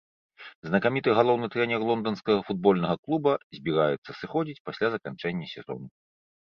Знакаміты галоўны трэнер лонданскага футбольнага клуба збіраецца сыходзіць пасля заканчэння сезону.